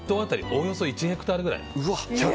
およそ１ヘクタールぐらい。